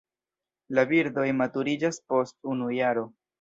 La birdoj maturiĝas post unu jaro.